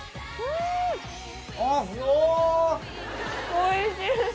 おいしい！